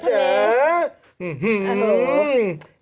หื้อ